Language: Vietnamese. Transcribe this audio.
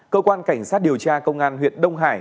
cơ quan cảnh sát điều tra công an huyện đông hải